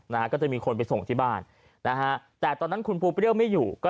นะก็ในค้นไปส่งที่บ้านแต่ตอนนั้นคุณปูเปรี้ยวไม่อยู่ก็